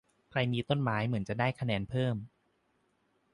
ใครมีต้นไม้เหมือนจะได้คะแนนเพิ่ม